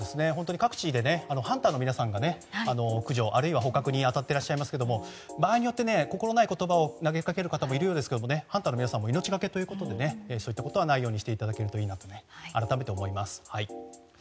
各地でハンターの皆さんが駆除あるいは捕獲に当たってらっしゃいますけれども場合によって心無い言葉を投げかける方もいるようですがハンターの皆さんも命がけということでそういったことはないようにしていただけるといいなと改めて思います。